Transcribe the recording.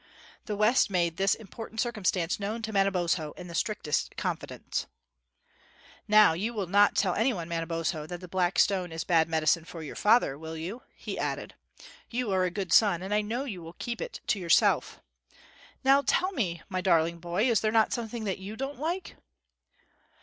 The West made this important circumstance known to Manabozho in the strictest confidence. "Now you will not tell any one, Manabozho, that the black stone is bad medicine for your father, will you?" he added. "You are a good son, and I know you will keep it to yourself. Now tell me, my darling boy, is there not something that you don't like?"